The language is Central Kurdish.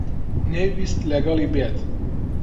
نەیویست لەگەڵی بێت.